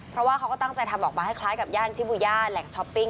เพราะว่าเขาก็ตั้งใจทำออกมาให้คล้ายกับย่านชิบูย่าแหล่งช้อปปิ้ง